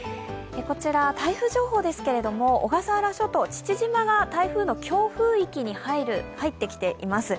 こちら、台風情報ですけど小笠原諸島・父島が台風の強風域に入ってきています。